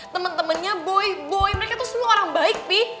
temen temennya boy boy mereka tuh semua orang baik nih